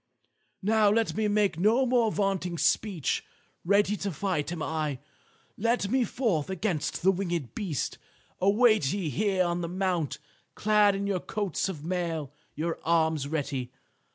"Now let me make no more vaunting speech. Ready to fight am I. Let me forth against the winged beast. Await ye here on the mount, clad in your coats of mail, your arms ready.